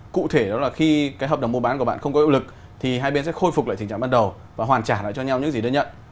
cụ thể đó là khi cái hợp đồng mua bán của bạn không có hiệu lực thì hai bên sẽ khôi phục lại trình trạng ban đầu và hoàn trả lại cho nhau những gì đã nhận